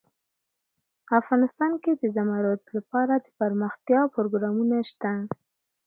افغانستان کې د زمرد لپاره دپرمختیا پروګرامونه شته.